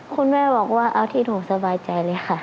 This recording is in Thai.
คุณแม่บอกว่าเอาที่หนูสบายใจเลยค่ะ